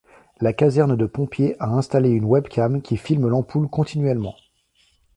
La caserne de pompiers a installé une webcam qui filme l'ampoule continuellement.